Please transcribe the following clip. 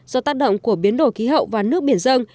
do tác động của biến đổi khí hậu và nước biển dân